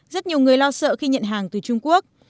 rất nhiều người lo sợ khi nhận hàng từ trung quốc